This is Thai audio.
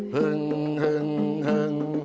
เพิ่งหึงหึง